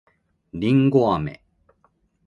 りんごあめ